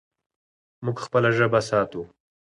موږ خپله ژبه ساتو.